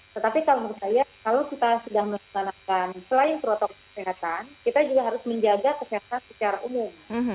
tetapi kalau menurut saya kalau kita sudah melaksanakan selain protokol kesehatan kita juga harus menjaga kesehatan secara umum